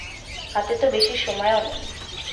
হাতে তো বেশি সময় ও নেই।